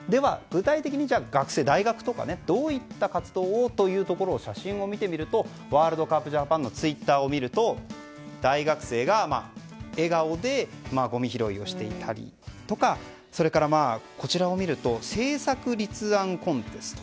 具体的に大学とかどういった活動をというところ写真を見るとワールドカープ・ジャパンのツイッターを見ると大学生が笑顔でごみ拾いをしていたりとかそれから、こちらを見ると政策立案コンテスト。